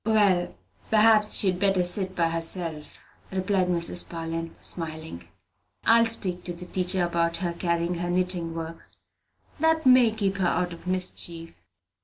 "Well, perhaps she'd better sit by herself," replied Mrs. Parlin, smiling. "I will speak to the teacher about her carrying her knitting work that may keep her out of mischief."